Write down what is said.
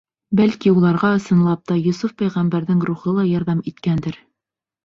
Бәлки, уларға ысынлап та Йософ пәйғәмбәрҙең рухы ла ярҙам иткәндер.